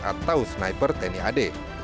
atau sniper tni ad